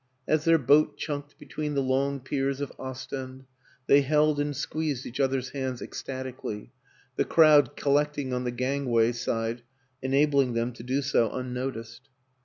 As their boat chunked between the long piers of Ostend they held and squeezed each other's hands ecstati cally, the crowd collecting on the gangway side enabling them to do so unnoticed.